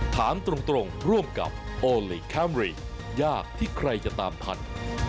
ถามตรงร่วมกับโอลี่คัมรี่ยากที่ใครจะตามทัน